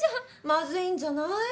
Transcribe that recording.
まずいんじゃない？